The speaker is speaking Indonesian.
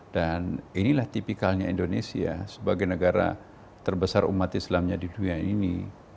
dan inilah tipikalnya indonesia sebagai negara terbesar umat islamnya di dunia ini